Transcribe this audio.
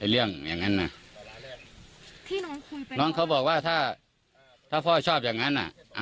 เรื่องอย่างนั้นนะที่น้องคุยไปน้องเขาบอกว่าถ้าพ่อชอบอย่างนั้นอ่ะ